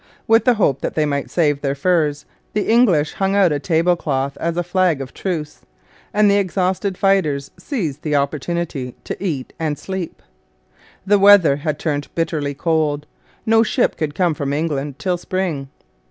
With the hope that they might save their furs, the English hung out a tablecloth as a flag of truce, and the exhausted fighters seized the opportunity to eat and sleep. The weather had turned bitterly cold. No ship could come from England till spring.